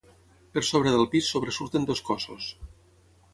Per sobre del pis sobresurten dos cossos.